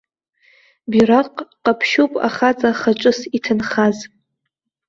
Бираҟ ҟаԥшьуп ахаҵа хаҿыс иҭынхаз.